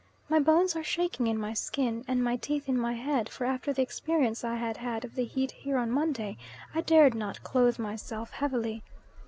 My bones are shaking in my skin and my teeth in my head, for after the experience I had had of the heat here on Monday I dared not clothe myself heavily.